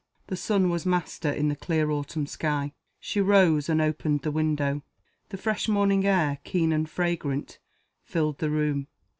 The sun was master in the clear autumn sky. She rose, and opened the window. The fresh morning air, keen and fragrant, filled the room.